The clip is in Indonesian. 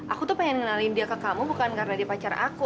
aku tuh pengen ngenalin dia ke kamu bukan karena dia pacar aku